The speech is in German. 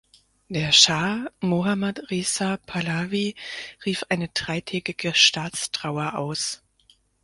Der Schah Mohammad Reza Pahlavi rief eine dreitägige Staatstrauer aus.